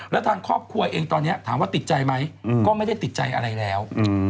แล้วทางครอบครัวเองตอนนี้ถามว่าติดใจไหมก็ไม่ได้ติดใจอะไรแล้ว